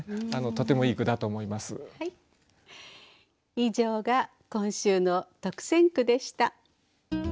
以上が今週の特選句でした。